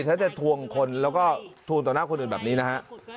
ถ้าจะทวงคนแล้วก็ทวงต่อหน้าคนอื่นแบบนี้นะฮะ